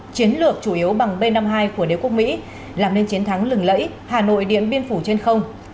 chiến lược chủ yếu bằng b năm mươi hai của đế quốc mỹ làm nên chiến thắng lừng lẫy hà nội điện biên phủ trên không